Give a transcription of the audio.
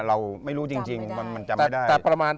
เราไม่รู้จริงมันจำไม่ได้